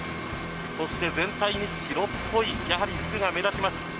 そして全体白っぽい服が目立ちます。